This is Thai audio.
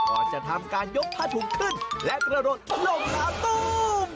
ก่อนจะทำการยกผ้าถุงขึ้นและกระโดดถล่มน้ำตู้ม